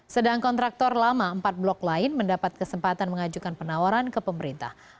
sedang kontraktor lama empat blok lain mendapat kesempatan mengajukan penawaran ke pemerintah